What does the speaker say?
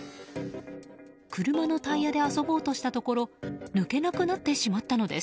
車のタイヤで遊ぼうとしたところ抜けなくなってしまったのです。